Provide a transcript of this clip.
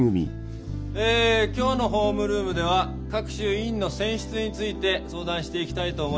ええ今日のホームルームでは各種委員の選出について相談していきたいと思います。